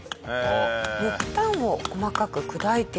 木炭を細かく砕いています。